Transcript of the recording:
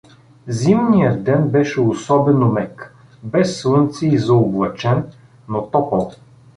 Зимният ден беше особено мек, без слънце и заоблачен, но топъл.